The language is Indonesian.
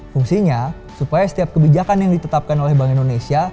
fungsinya supaya setiap kebijakan yang ditetapkan oleh bank indonesia